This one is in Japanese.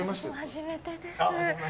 初めてです。